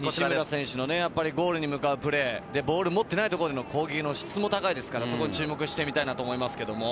ゴールに向かうプレー、ボールを持っていないところでの攻撃の質も高いので注目したいと思います。